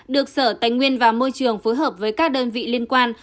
được sở tài nguyên và môi trường phối hợp với các đơn vị liên quan